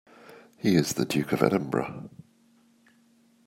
He is the Duke of Edinburgh.